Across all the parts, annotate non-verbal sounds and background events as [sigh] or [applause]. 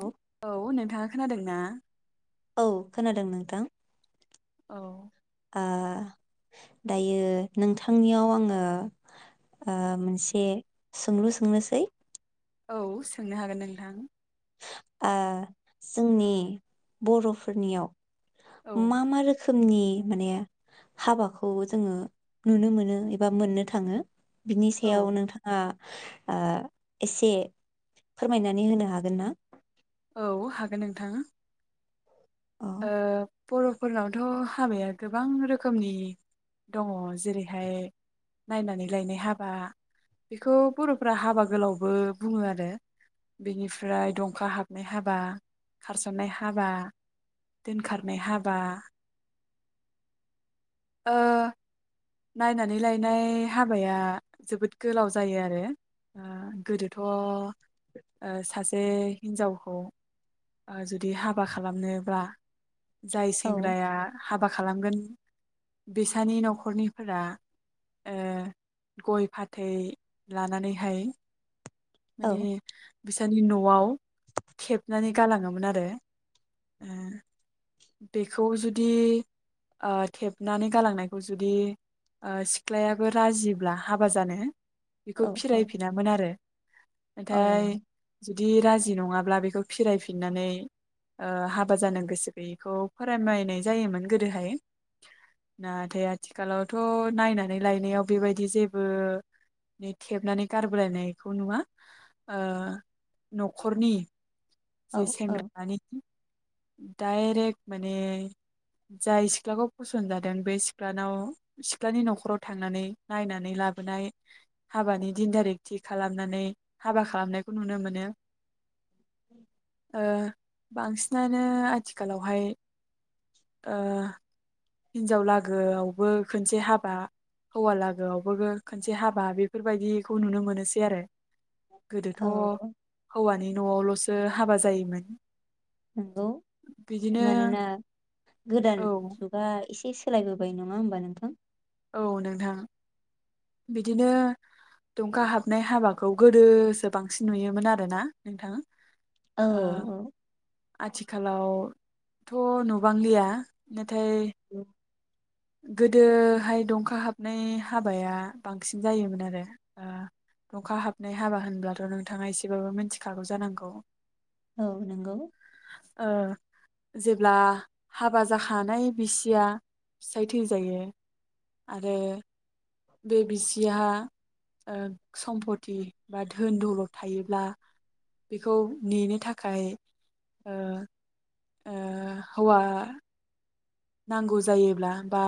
औ औ नोंथाङा खोनादों ना औ खोनादों नोंथां औ आ दायो नोंथांनियाव आङो आ मोनसे सोंलु सोंनोसै औ सोंनो हागोन नोंथां आ जोंनि बर'फोरनियाव औ मा मा रोख खोमनि माने हाबाखौ जोङो नुनो मोनो एबा मोननो थाङो बिनि औ सायाव नोंथाङा आ एसे फोरमायनानै होनो हाग गोनना औ हागोन नोंथां औ ओ बर'फोरनावथ' हाबाया गोबां रोखोमनि दङ जेरैहाय नायनानै लायनाय हाबा बेखौ बर'फोरा हाबा गोलावबो बुङो आरो बेनिफ्राय दंखा हाबनाय हाबा खारस'ननाय हाबा दोनखारनाय हाबा ओ नायनानै लायनाय हाबाया जोबोद गोलाव जायो आरो गोदोथ' ओ सास दे हिन्जावखौ आ जुदि हाबा खालामनोब्ला जाय औ सेंग्राया हाबाख खालामगोन बिसानि न'खरनिफोरा ओ गय फाथै लानानैहाय औ मानि बिस साहनि न'आव थेबनानै गालाङोमोन आरो ओ बेखौ जुदि थेबनानै ओ गालांनायखौ जुदि ओ सिख्लायाबो राजिब्ला हाबा जानो बेखौ औ औ फिरायफिनामोन आरो औ नाथाय दि राजि नङाब्ला बेखौ फिरायफिननानै ओ हाबा जानो गोसो बेखौ फोरमायनाय जायोमोन गोदोहाय नाथाय आथिखालावथ' नायनानै लायनायाव बेबायदि जेबो थेबनानै गारबोलायनायखौ नुवा ओ न'खरनि औ जि औ सेंग्रानि डायरेक्ट माने जाय सिख्लाखौ फसन्द जादों बे सिख्लानाव सिख्लानि न'खराव थांनानै नायनानै लाबोनाय हाबानि दिन थारिग थि खालामनानै हाबा खालामनायखौ नुनो मोनो [inaudible] ओ बांसिनानो आथिखालावहाय ओ हिनजाव लागोआवबो खनसे हाबा हौवा लागोआवबो खनसे हाबा बेफोरबायदिखौ नुनो मोनोसैआरो। गोदोथ' औ हौवानि न'आवल'सो हाबा जायोमोन नंगौ बिदिनो मानोना औ गोदान जुगा एसे सो सोलायबोबाय नङा होमबा नोंथां? औ नोंथां बिदिनो दुंखा हाबनाय हाबा खौ गोदोसो बांसिन नुयोमोन आरो ना नोंथां औ ओ औ आथिखालावथ' नुबांलिया [unintelligible] औ गोदोहाय दंखा हाबनाय हाबाया बांसिन जायोमोन आरो दंखा हाबनाय हाबा होनब्लाथ' नोंथाङा एसेबाबो मिथिखागौ जानांगौ। औ नंगौ ओ जेब्ला हाबा जाखानाय बिसिया फिसाय थैजायो आरो बे बिसिहा ओ सम्पथि बा धोन दौलत थायोब्ला बेखौ नेनो थाखाय ओ ओ हौवा नांगौ जायोब्ला बा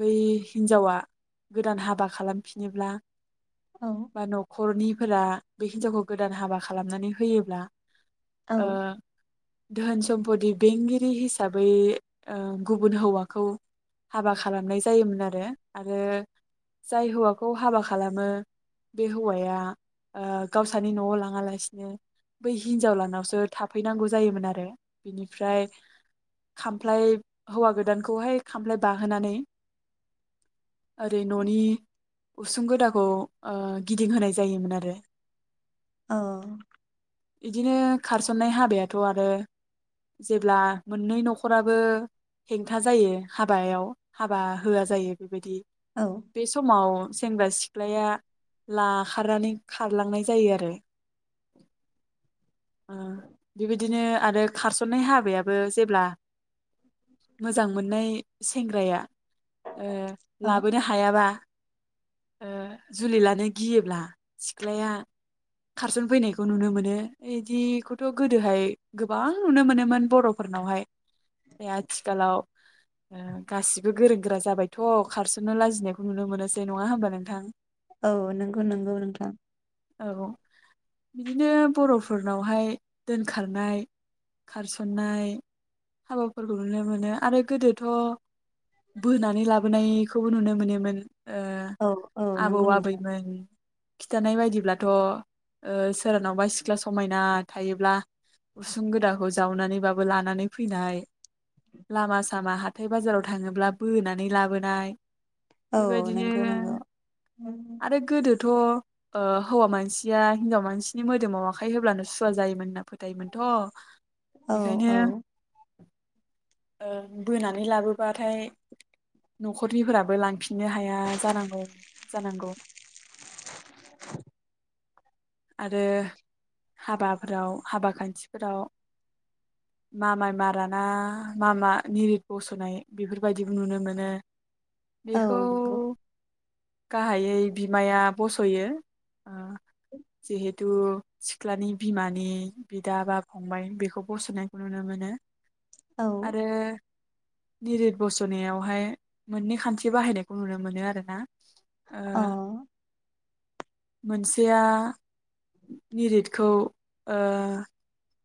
बै हिनजावा गोदान हाबा खालामफिनोब्ला औ बा न'खरनि फोरा बे हिनजावखौ गोदान हाबा खालामनानै होयोब्ला औ ओ धोन सम्पति बेंगिरि हिसाबै ओ गुबुन हौवाखौ हाबा खालामनाय जायोमोन आरो। आरो जाय हौवाखौ हाबा खालामो बे हौवाया ओ गावसानि न'आव लाङालासिनो बै हिनजाव लानावसो थाफैनांगौ जायोमोन आरो बिनिफ्राय खामफ्लाय हौवा गोदानखौहाय खामफ्लाय बाहोनानै ओरै न'नि उसुं गोदाखौ ओ गिदिंहोनाय जायोमोन आरो। औ बिदिनो खारसननाय हाबायाथ' आरो जेब्ला मोननै न'खराबो हेंथा जायो हाबायाव हाबा होआ जायो बेबायदि औ बे समाव सेंग्रा सिख्लाया लाखारनानै खारलांनाय जायो आरो ओ बेबायदिनो आरो खारसननाय हाबायाबो जेब्ला मोजां मोन्नाय सेंग्राया ओ औ लाबोनो हायाबा ओ जुलि लानो गियोब्ला सिख्लाया खारसनफैनायखौ नुनो मोनो बिदिखौथ' गोदोहाय गोबां नुनो मोनोमोन बर'फोरनावहाय आ थिखालाव ओ गासिबो गोरों गोरा जाबायथ' खारस'नो लाजिनाय नुनो मोनोसै नङा होमबा नोंथां? औ नंगौ नंगौ नोंथां औ बिदिनो बर'फोरनावहाय दोनखारनाय खारसननाय हाबाफोर खौ नुनो मोनो आरो गोदोथ' बोनानै लाबोनायखौबो नुनो मोनोमोन। ओ औ औ आबौ नंगौ नोंथां आबैमोन खिथानाय बायदिब्लाथ' ओ सोरानावबा सिख्ला समायना थायोब्ला उसुं गोदाखौ जावनानैबाबो लानानै फैनाय लामा सामा हाथाय बाजाराव थाङोब्ला बोनानै लाबोनाय औ बेबायदिनो नंगौ नंगौ आरो गोदो थ' ओ हौवा मानसिया हिनजाव मानसिनि मोदोमाव आखाइ होब्लानो सुवा जायोमोन होनना फोथायोमोनथ' औ बेखायनो औ बोनानै लाबोबाथाय न'खरनिफोराबो लांफिननो हाया जानांगौ जानांगौ [inaudible] आरो हाबाफोराव हाबा खान्थिफोराव मामाइ माराना मा मा निरिद बस'नाय बेफोरबायदिबो नुनो मोनो। बेखौ औ नंगौ गाहायै बिमाया बस'यो जिहेथु सिख्लानि बिमानि बिदा बा फंबाय बेखौ बस'नायखौ नुनो मोनो। औ आरो निरिद बसनायावहाय मोननै खान्थि बाहायनायखौ नुनो मोनो आरो ना अ मोनसेया निरिदखौ ओ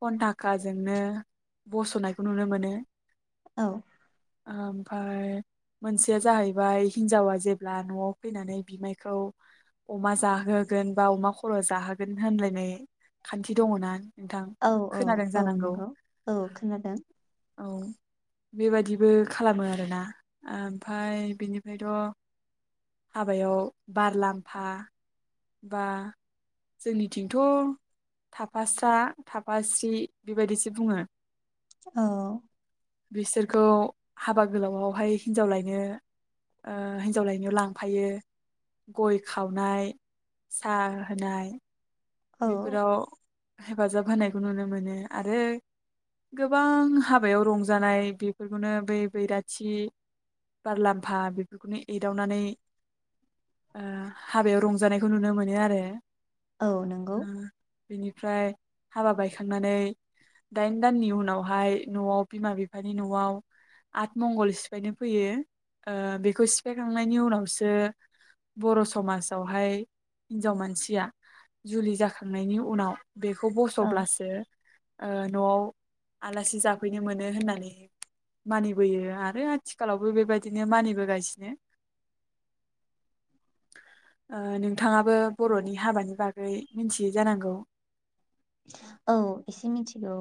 खन्थाखाजोंनो बस'नायखौ नुनो मोनो औ ओमफ्राय मोनसेया जाहैबाय हिनजावा जेब्ला न'आव फैनानै बिमायखौ अमा जाहोगोन बा अमा खर' जाहोगोन होनलायनाय खान्थि दङ ना औ औ औ नंगौ औ खोनादों औ बेबादिबो खालामो आरोना ओमफ्राय बेनिफ्रायथ' हाबायाव बारलामफा बा जोंनिथिंथ' थाफास्रा थाफास्रि बेबायदिसो बुङो औ बिसोरखौ हाबा गोलावआवहाय हिनजाव लायनो ओ हिनजाव लायनो लांफायो गय खावनाय सा होनाय औ बेफोराव हेफाजाब होनायखौ नुनो मोनो आरो गोबां हाबायाव रंजानाय बेफोरखौनो बै बैराथि बारलाम्फा बेफोरखौनो एदावनानै ओ हाबायाव रंजानायखौ नुनो मोनो आरो औ नंगौ बिनिफ्राय हाबा बायखांनानै दाइन दाननि उनावहाय न'आव बिमा बिफानि न'आव आठ मंगल सिफायनो फैयो ओ बेखौ सिफायखांनायनि उनावसो बर' समाजावहाय हिनजाव मानसिया जुलि जाखांनायनि उनाव बेखौ औ बस'ब्लासो ओ न'आव आलासि जाफैनो मोनो होननानै मानिबोयो आरो आथिखालावबो बेबायदिनो मानिबोगासिनो ओ नोंथाङाबो बर'नि हाबानि बा गै मिथियै जानांगौ औ एसे मिथि औ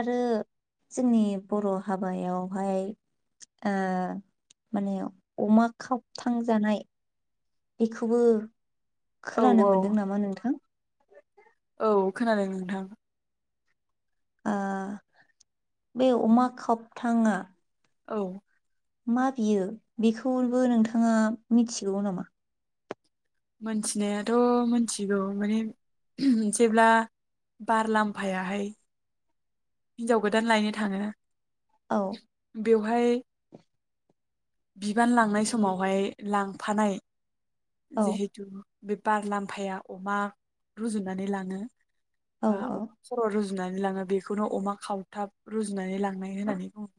आरो जोंनि बर' हाबायावहाय ओ माने अमा खाबथांजानाय बेखौबो औ खोनानो औ मोनदों नामा नोंथां औ खोनादों नोंथां ओ बे अमा खबथाङा औ मा बियो बेखौबो नोंथाङा मिथिगौ नामा मोनथिनायाथ' मोनथिगौ माने जेब्ला बार लाम्फायाहाय हिनजाव गोदान लायनो थाङो औ बेवहाय बिबान लांनाय समावहाय लांफानाय औ जिहेतु बे बार लाम्फाया अमा रुजुनानै लाङो। औ बा अफखर' रुजु नानै लाङो बेखौनो अमा खावथाब रुजुनानै लांनाय होननानै बुङो।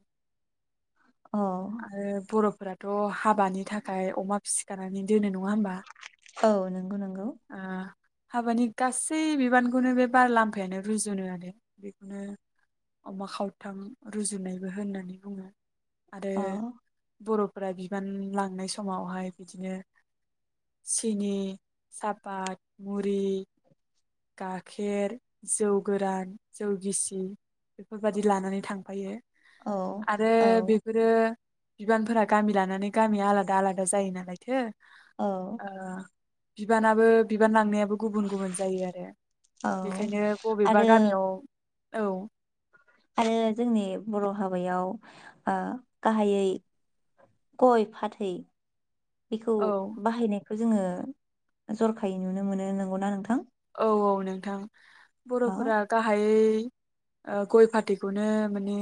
अ आरो बर'फोराथ' हाबानि थाखाय अमा फिसिखानानै दोनो नङा होमबा औ नंगौ नंगौ ओ हाबानि गासै बिबानखौनो बे बार लामफायानो रुजुनो आरो बेखौनो अमा खावथाम रुजुनायबो होननानै बुङो। आरो अ बर'फोरा बिबान लांनाय समावहाय बिदिनो सिनि सापात मुरि गाइाखेर जौ गोरान जौ गिसि बेफोरबायदि लानानै थांफायो। औ आरो औ बेफोरो बिबानफोरा गामि लानानै गामिया आलादा आलादा जायो नालायथो। औ ओ बिबानाबो बिबान लांनायाब गुबुन गुबुन जायो आरो औ बेखायनो बबेबा आरो गामियाव औ आरो जोंनि बर' हाबायाव ओ गाहायै गय फाथै बेखौ औ बाहायनाय बेखौ जोङो जरखायै नुनो मोनो नंगौना नोंथां। औ औ नोंथां। अ बर'फोरा गाहायै ओ गय फाथैखौनो माने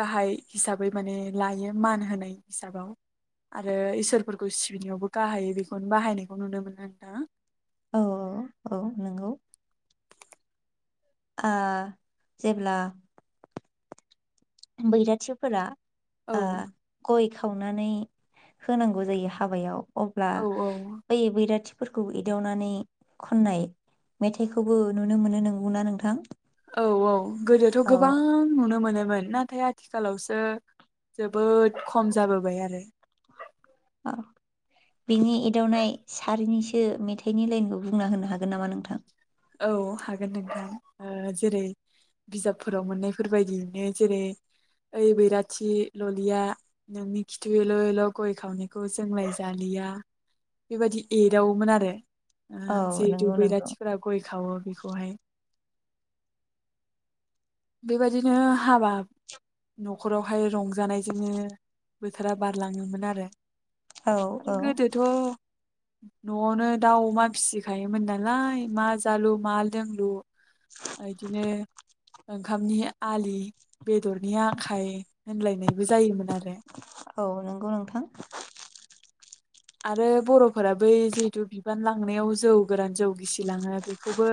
गाहाय हिसाबै माने लायो मान होनाय हिसाबाव आरो इसोरफोरखौ सिबिनायावबो गाहाय बेखौनो बाहायनायखौ नुनो मोनो नोंथां। औ औ औ नंगौ। आ जेबला बैराथिफोरा औ ओ गय खावनानै होनांगौ जायो हाबायाव। अब्ला औ औ बै बैराथि फोरखौ एदवनानै खननाय मेथाइखौबो नुनो मोनो नंगौना नोंथां। औ औ गोदोथ' औ गोबां नुनो मोनो। मोन नाथाय आथिखालाव औ बिनि एदावनाय सारिनिसो मेथाइनि लाइनखौ बुंना होनो हागोन नामा नोंथां औ हागोन नोंथां जेरै बिजाबफोराव मोननायफोरबायायदियैनो जेरै ओइ बैराथि ललिया नोंनि खिथुयल' एल' गय खावनायखौ जोंलाय जालिया बेबायदि एदावोमोन आरो औ जिहेतु नंगौ नंगौ बैराथिफोराबो खावो बेखौहाय बेबायदिनो हाबा न'खरावहाय रंजायो जानायजोंोङो बोथोरा बारलाङोमोन आरो औ आरो औ गोदोथ' न'आवनो दाउ अमा फिसिखायोमोन नालाय मा जालु मा लोंलु आयदिनो ओंखामनि आलि बेदरनि आखाय होनलायनायबो जायोमोन आरो औ नंगौ नोंथां आरो बर' फोरा बै जिहेथु बिबान ला थांनायाव जौ गोरान जौ गिसिलाङो बेखौबो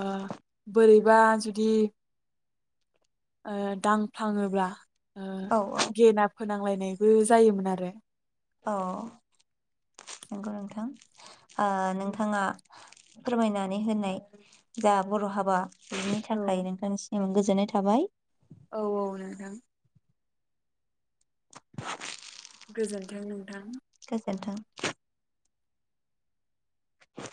ओ बोरैबा जुदि ओ दांफ्लाङोब्ला ओ औ गेना फोनांलायनायबो जायोमोन आरो अ नोंगौ नोंथां ओ नोंथाङा फोरमायनानै होनाय जा बर' हाबा बेनि औ थाखाय नोंथांसि एबां गोजोननाय थाबाय औ औ नोंथां गोजोन्थों नोंथां गोजोनथों